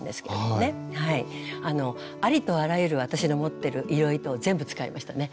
ありとあらゆる私の持ってる色糸を全部使いましたね。